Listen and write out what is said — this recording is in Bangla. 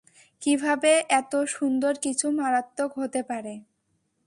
কিভাবে এত সুন্দর কিছু মারাত্মক হতে পারে।